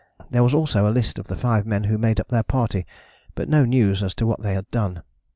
There was also a list of the five men who made up their party, but no news as to what they had done.